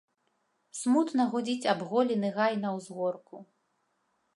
Смутна гудзіць абголены гай на ўзгорку.